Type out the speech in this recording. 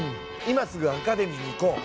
今すぐアカデミーに行こう！